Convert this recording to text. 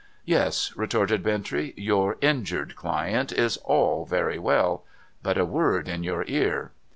' Yes,' retorted Bintrey ;' your injured client is all very well — but — a word in your ear.'